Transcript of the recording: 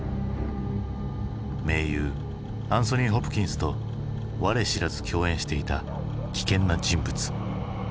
名優アンソニー・ホプキンスと我知らず共演していた危険な人物。